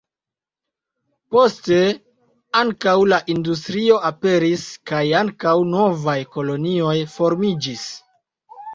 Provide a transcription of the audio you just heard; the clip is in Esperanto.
Poste ankaŭ la industrio aperis kaj ankaŭ novaj kolonioj formiĝis.